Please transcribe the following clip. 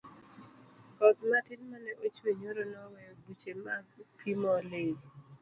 koth matin mane ochwe nyoro noweyo buche mag pi molil